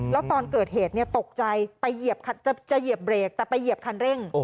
แล้วตอนเกิดเหตุตกใจไปเหยียบเบรกแต่ไปเหยียบคันเร่ง